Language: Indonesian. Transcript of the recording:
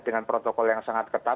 dengan protokol yang sangat ketat